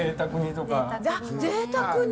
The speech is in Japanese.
ぜいたく煮。